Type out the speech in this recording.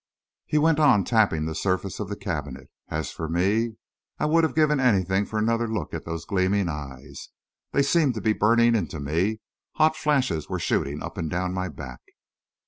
He went on tapping the surface of the cabinet. As for me, I would have given anything for another look at those gleaming eyes. They seemed to be burning into me; hot flashes were shooting up and down my back.